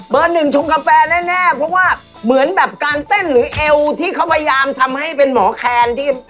หนึ่งชงกาแฟแน่เพราะว่าเหมือนแบบการเต้นหรือเอวที่เขาพยายามทำให้เป็นหมอแคนที่